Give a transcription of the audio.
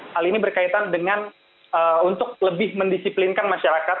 hal ini berkaitan dengan untuk lebih mendisiplinkan masyarakat